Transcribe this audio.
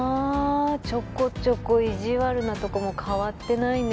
ちょこちょこ意地悪なとこも変わってないね